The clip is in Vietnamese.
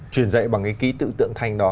truyền dạy bằng cái ký tự tượng thanh đó